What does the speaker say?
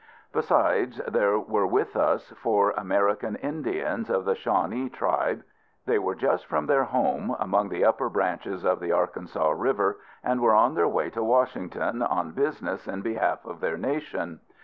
Besides, there were with us four American Indians, of the Shawnee tribe. They were just from their home, among the upper branches of the Arkansas River, and were on their way to Washington, on business in behalf of their nation.